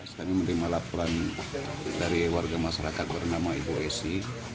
saya menerima laporan dari warga masyarakat bernama ibu s i